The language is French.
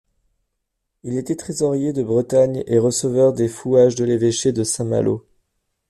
Il était trésorier de Bretagne et receveur des fouages de l'évêché de Saint-Malo.